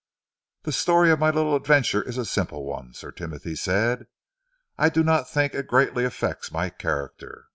"The story of my little adventure is a simple one," Sir Timothy said. "I do not think it greatly affects my character.